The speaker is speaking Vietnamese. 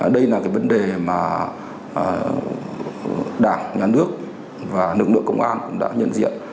đây là vấn đề mà đảng nhà nước và lực lượng công an đã nhận diện